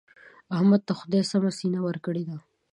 احمد ته خدای سمه سینه ورکړې ده.